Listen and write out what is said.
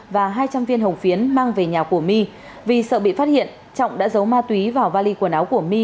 và hai trăm linh viên hồng phiến mang về nhà của my vì sợ bị phát hiện trọng đã giấu ma túy vào vali quần áo của my